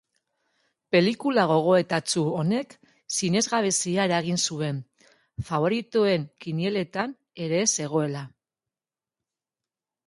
Pelikula gogoetatsu honek sinesgabezia eragin zuen, faboritoen kinieletan ere ez zegoela.